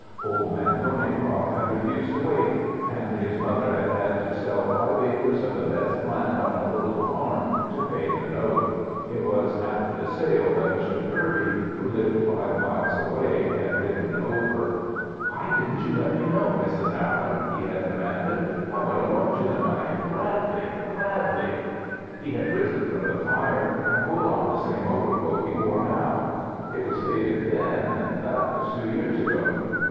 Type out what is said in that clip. Old Man Thornycroft had refused to wait, and his mother had had to sell five acres of the best land on the little farm to pay the note. It was after the sale that Mr. Kirby, who lived five miles away, had ridden over. "Why didn't you let me know, Mrs. Allen!" he had demanded. "I would have loaned you the money gladly, gladly!" He had risen from the fire and pulled on the same overcoat he wore now. It was faded then, and that was two years ago.